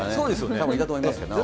たぶんいたと思いますけれども。